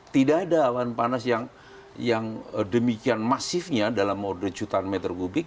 tidak ada awan panas yang demikian masifnya dalam moder jutaan meter kubik